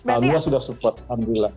alhamdulillah sudah support alhamdulillah